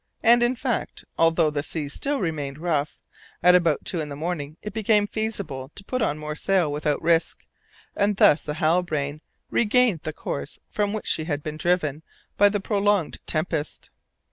And, in fact, although the sea still remained rough, at about two in the morning it became feasible to put on more sail without risk, and thus the Halbrane regained the course from which she had been driven by the prolonged tempest.